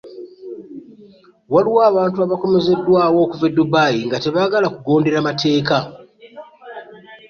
Waliwo abantu abakomezeddwawo okuva e Dubai nga tebaagala kugongera mateeka.